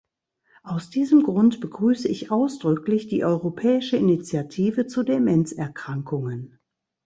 Aus diesem Grund begrüße ich ausdrücklich die europäische Initiative zu Demenzerkrankungen.